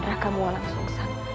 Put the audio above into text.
rakamu olang suksan